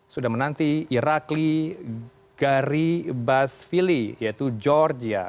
sudah menanti irakli garibasvili yaitu georgia